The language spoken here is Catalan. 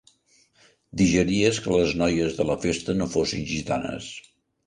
Digeries que les noies de la festa no fossin gitanes.